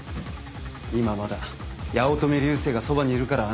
今はまだ八乙女流星がそばにいるから安心だ。